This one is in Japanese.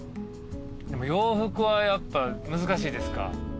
洋服はやっぱ難しいですか？